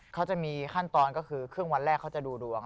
เขาจะมีขั้นตอนก็คือครึ่งวันแรกเขาจะดูดวง